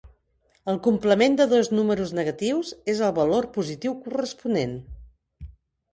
El complement de dos números negatius és el valor positiu corresponent.